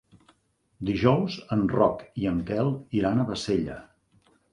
Dijous en Roc i en Quel iran a Bassella.